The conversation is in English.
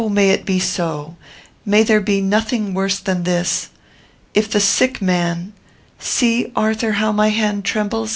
may it be so! May there be nothing worse than this! If the sick man see, Arthur, how my hand trembles.